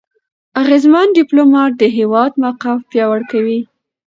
اغېزمن ډيپلوماټ د هېواد موقف پیاوړی کوي.